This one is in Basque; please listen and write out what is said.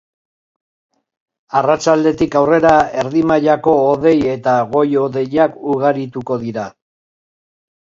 Arratsaldetik aurrera erdi mailako hodei eta goi-hodeiak ugarituko dira.